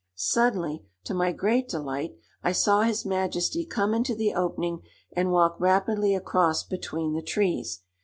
Suddenly, to my great delight, I saw his majesty come into the opening and walk rapidly across between the trees.